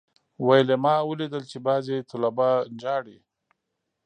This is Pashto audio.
ويل يې ما اوليدل چې بعضي طلبا جاړي.